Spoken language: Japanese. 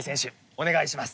お願いします。